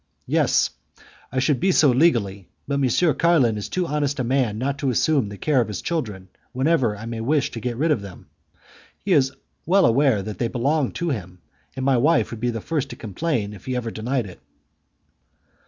"Yes, I should be so legally; but M. Carlin is too honest a man not to assume the care of his children whenever I may wish to get rid of them. He is well aware that they belong to him, and my wife would be the first to complain if he ever denied it."